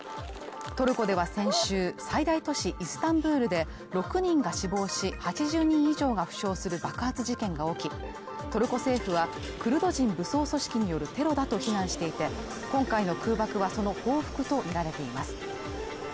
トルコでは先週最大都市イスタンブールで６人が死亡し８０人以上が負傷する爆発事件が起きトルコ政府はクルド人の武装組織によるテロだと非難していて今回の空爆はその報復とみられています